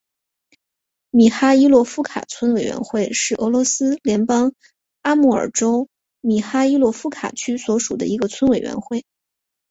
米哈伊洛夫卡村委员会是俄罗斯联邦阿穆尔州米哈伊洛夫卡区所属的一个村委员会。